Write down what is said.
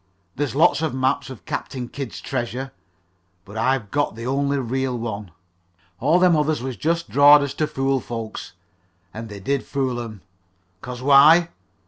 There's lots of maps of Captain Kidd's treasure, but I've got the only real one. All them others was jest drawed so as to fool folks. An' they did fool 'em. 'Cause why?